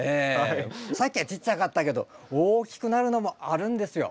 さっきはちっちゃかったけど大きくなるのもあるんですよええ。